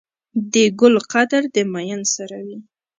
د ګل قدر د ميئن سره وي.